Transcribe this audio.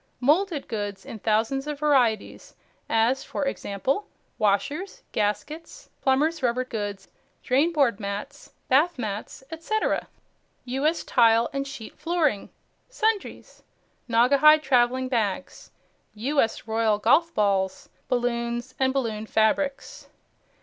Moulded Goods in thousands of varieties, as, for example, Washers, Gaskets, Plumbers' Rubber Goods, Drainboard Mats, Bath Mats, etc. "U.S." Tile and Sheet Flooring. SUNDRIES Naugahyde Traveling Bags. "U.S." Royal Golf Balls. Balloons and Balloon Fabrics.